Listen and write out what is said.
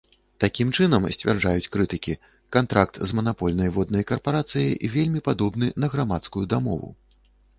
Такім чынам, сцвярджаюць крытыкі, кантракт з манапольнай воднай карпарацыяй вельмі падобны на грамадскую дамову.